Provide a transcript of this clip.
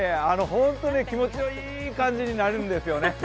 本当に気持ちのいい感じになるんですよね。